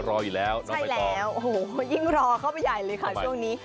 ใช่แล้วโห่ยิ่งรอเข้าไปใหญ่เลยค่ะช่วงนี้